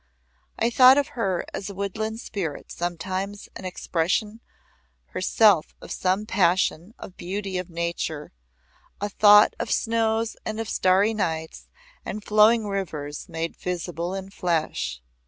I thought of her as a wood spirit sometimes, an expression herself of some passion of beauty in Nature, a thought of snows and starry nights and flowing rivers made visible in flesh.